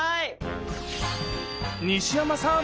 西山さん